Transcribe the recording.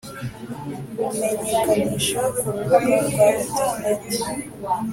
rumenyekanisha ku rubuga rwa interineti